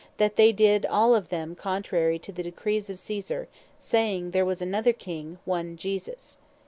7.) "That they did all of them contrary to the decrees of Caesar, saying there was another King, one Jesus.